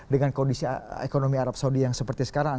dengan kondisi ekonomi arab saudi yang seperti sekarang